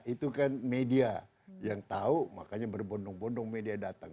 itu kan media yang tahu makanya berbondong bondong media datang